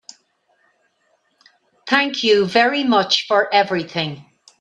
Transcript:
Thank you very much for everything.